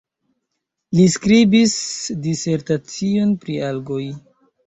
Li skribis disertacion pri algoj.